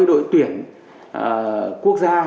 đội tuyển quốc gia